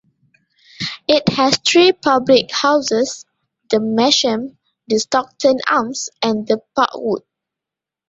It has three public houses "The Masham", "The Stockton Arms" and the "Parkwood".